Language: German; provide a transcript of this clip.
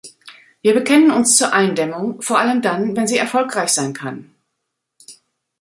Wir bekennen uns zur Eindämmung, vor allem dann, wenn sie erfolgreich sein kann.